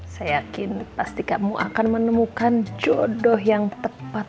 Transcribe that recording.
saya yakin pasti kamu akan menemukan jodoh yang tepat